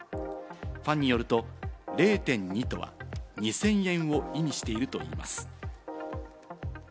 ファンによると、０．２とは２０００円を意味しているといいます。